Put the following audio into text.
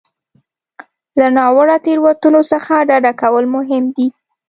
له ناوړه تېروتنو څخه ډډه کول مهم دي.